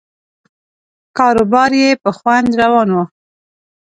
کاروبار یې په خوند روان و.